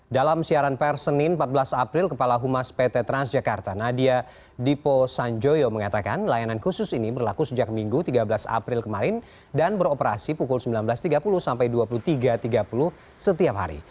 dalam siaran per senin empat belas april kepala humas pt transjakarta nadia dipo sanjoyo mengatakan layanan khusus ini berlaku sejak minggu tiga belas april kemarin dan beroperasi pukul sembilan belas tiga puluh sampai dua puluh tiga tiga puluh setiap hari